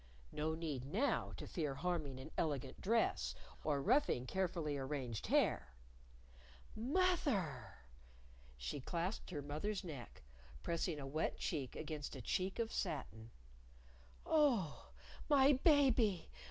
No need now to fear harming an elegant dress, or roughing carefully arranged hair. "Moth er!" She clasped her mother's neck, pressing a wet cheek against a cheek of satin. "Oh, my baby!